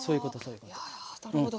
いやなるほど。